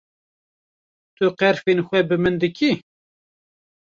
Tu qerfên xwe bi min dikî?